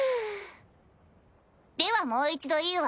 ではもう一度言うわ。